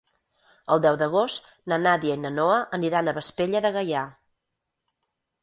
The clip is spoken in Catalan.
El deu d'agost na Nàdia i na Noa aniran a Vespella de Gaià.